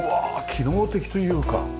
機能的というか。